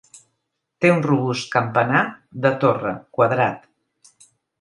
Té un robust campanar de torre, quadrat.